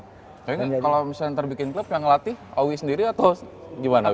kayaknya kalo misalnya ntar bikin klub yang ngelatih awi sendiri atau gimana awi